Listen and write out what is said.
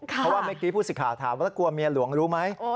เพราะว่าเมื่อกี้ผู้สิทธิ์ข่าวถามว่าแล้วกลัวเมียหลวงรู้ไหม